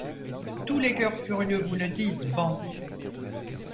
Tous les coeurs furieux vous le disent, bandits !